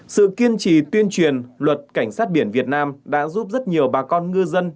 sự kiên trì tuyên truyền luật cảnh sát biển việt nam đã giúp rất nhiều bà con ngư dân